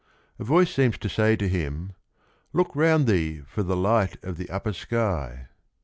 A voice seems to say to him, "Look round thee for the light of the upper sky."